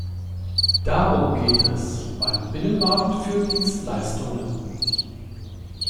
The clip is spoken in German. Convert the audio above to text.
Darum geht es beim Binnenmarkt für Dienstleistungen.